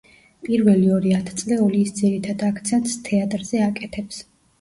პირველი ორი ათწლეული ის ძირითად აქცენტს თეატრზე აკეთებს.